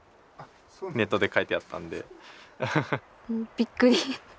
びっくり。